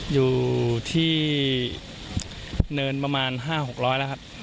อยู่ที่เนินประมาณ๕๖๐๐แล้วครับ